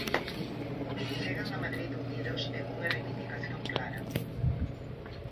Chegan a Madrid unidos e cunha reivindicación clara.